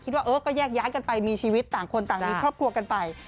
ว่าเออก็แยกย้ายกันไปมีชีวิตต่างคนต่างมีครอบครัวกันไป